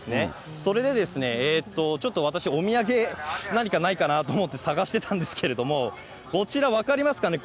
それで、ちょっと私、お土産何かないかなと思って探してたんですけれども、こちら、分かりますかね？